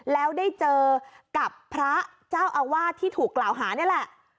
แล้วได้เจอกับพระเจ้าอาวาสที่ถูกกล่าวหานี่แหละ